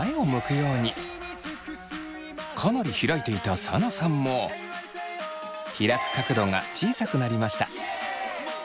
かなり開いていたサナさんも開く角度が小さくなりました。